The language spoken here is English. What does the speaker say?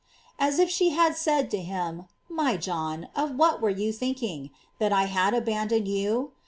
"* As if she had said to him: My John, of what were you thinking? that I had abandoned you